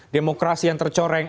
demokrasi yang tercoreng